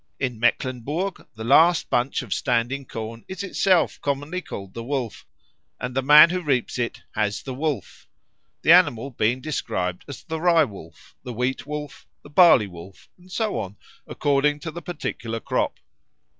In Mecklenburg the last bunch of standing corn is itself commonly called the Wolf, and the man who reaps it "has the Wolf," the animal being described as the Rye wolf, the Wheat wolf, the Barley wolf, and so on according to the particular crop.